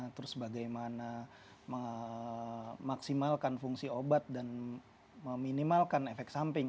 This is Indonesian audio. terus bagaimana memaksimalkan fungsi obat dan meminimalkan efek samping